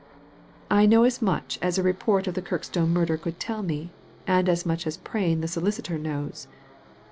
^'I know as much as a report of the Kirkstone murder could tell me: and as much as Prain the solicitor knows.''